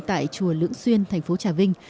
tại chùa lưỡng xuyên thành phố trà vinh